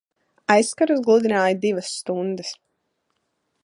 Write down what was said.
Aizkarus gludināju divas stundas!